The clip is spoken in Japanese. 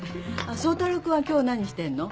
あっ宗太郎君は今日何してんの？